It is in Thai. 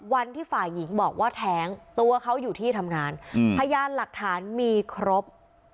วันที่ฝ่ายหญิงบอกว่าแท้งตัวเขาอยู่ที่ทำงานพยานหลักฐานมีครบ